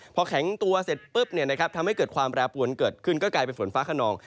พอแข็งตัวเสร็จปุ๊บทำให้เกิดความแปรปวนเกิดขึ้นก็กลายเป็นฝนฟ้าขนอง